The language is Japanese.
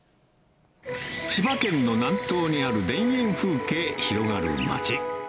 千葉県の南東にある田園風景広がる町。